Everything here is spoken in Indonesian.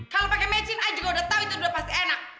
kalau pakai mecin i juga udah tahu itu udah pasti enak